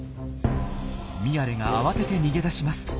ミヤレが慌てて逃げ出します。